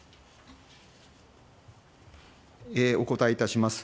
お答えいたします。